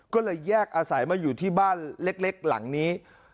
ก็เลยแยกอาศัยมาอยู่ที่บ้านเล็กหลังนี้